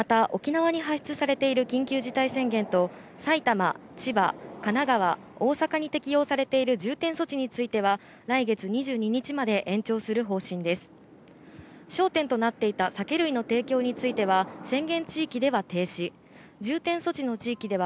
また沖縄に発出されている緊急事態宣言と、埼玉、千葉、神奈川、大阪に適用されている重点措置については、来月２２日まで延長する方針です。